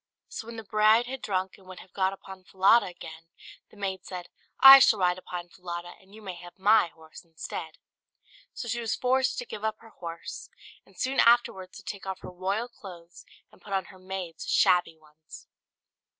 So when the bride had drunk, and would have got upon Falada again, the maid said, "I shall ride upon Falada and you may have my horse instead;" so she was forced to give up her horse, and soon afterwards to take off her royal clothes, and put on her maid's shabby ones.